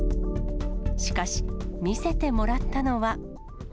しかし、見せてもらったのは。